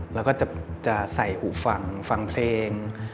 แล้วก็จะใส่อู่ฝั่งฟังเพลง